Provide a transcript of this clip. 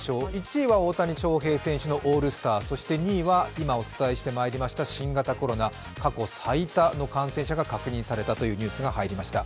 １位は大谷翔平選手のオールスター２位は新型コロナ、過去最多の感染者が確認されたというニュースが入りました。